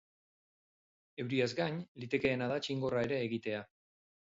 Euriaz gain, litekeena da txingorra ere egitea.